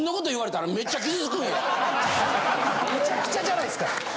めちゃくちゃじゃないですか。